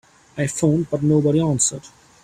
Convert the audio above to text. I phoned but nobody answered.